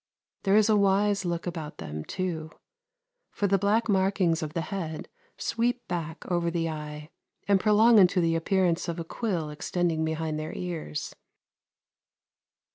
There is a wise look about them, too, for the black markings of the head sweep back over the eye and prolong into the appearance of a quill extending behind their ears.